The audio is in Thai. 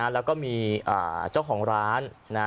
แล้วก็มีเจ้าของร้าน